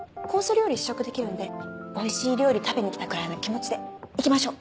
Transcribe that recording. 料理試食できるんでおいしい料理食べに来たくらいの気持ちでいきましょう！